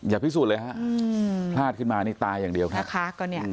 อย่าพิสูจน์เลยครับพลาดขึ้นมาตายอย่างเดียวค่ะ